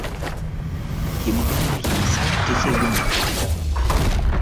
nchini Libya Waliobaki walinusurika na pamoja na mama yao Safia Farkash alHaddad wanaishi